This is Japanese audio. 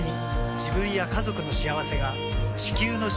自分や家族の幸せが地球の幸せにつながっている。